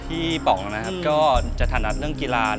ป๋องนะครับก็จะถนัดเรื่องกีฬา